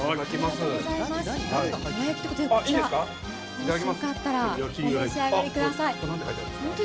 もしよかったら、お召し上がりください。